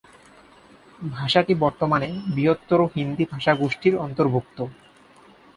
ভাষাটি বর্তমানে বৃহত্তর হিন্দি ভাষাগোষ্ঠীর অন্তর্ভুক্ত।